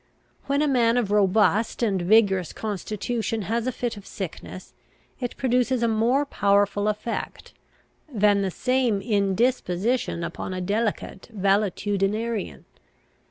When a man of robust and vigorous constitution has a fit of sickness, it produces a more powerful effect, than the same indisposition upon a delicate valetudinarian.